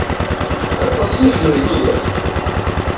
Aṭas i iḥemmel tudert.